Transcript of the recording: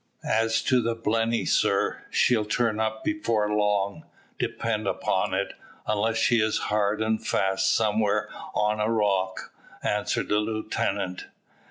"As to the Blenny, sir, she'll turn up before long, depend upon it, unless she is hard and fast somewhere on a rock," answered the lieutenant.